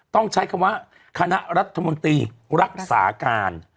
ต้องใช้คำว่าคณะรัฐมนตรีรักษาการ